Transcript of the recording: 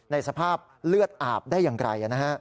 ในสภาพเลือดอาบได้อย่างไรอ่ะนะฮะ